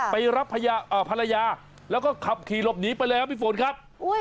ไปรับภรรยาแล้วก็ขับขี่หลบหนีไปแล้วพี่ฝนครับ